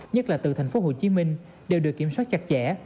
nhất là từ thành phố hồ chí minh đều được kiểm soát chặt chẽ